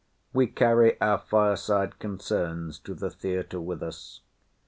We carry our fire side concerns to the theatre with us.